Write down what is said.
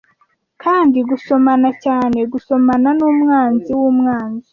kandi gusomana cyane gusomana numwanzi wumwanzi